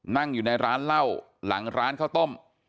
นั่งอยู่ในร้านเหล้าหลังร้านข้าวต้ม